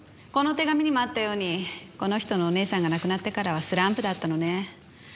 この手紙にもあったようにこの人のお姉さんが亡くなってからはスランプだったのね。